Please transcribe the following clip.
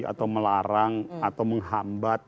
atau melarang atau menghambat